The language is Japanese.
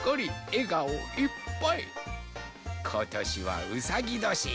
ことしはうさぎどし。